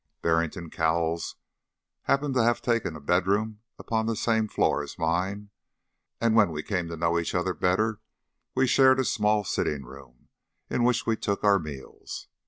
Barrington Cowles happened to have taken a bedroom upon the same floor as mine, and when we came to know each other better we shared a small sitting room, in which we took our meals.